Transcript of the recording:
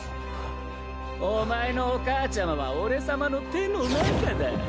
お前のお母ちゃまは俺様の手の中だ。